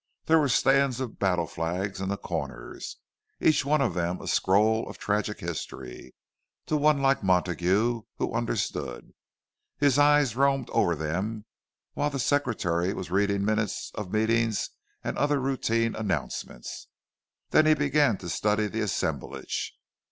There were stands of battle flags in the corners, each one of them a scroll of tragic history, to one like Montague, who understood. His eye roamed over them while the secretary was reading minutes of meetings and other routine announcements. Then he began to study the assemblage.